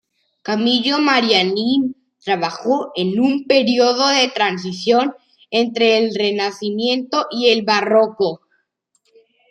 Camillo Mariani trabajó en un período de transición entre el renacimiento y el barroco.